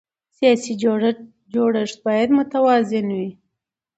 سیاسي جوړښت باید متوازن وي